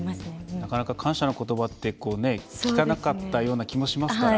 なかなか感謝のことばって聞かなかったような気もしますから。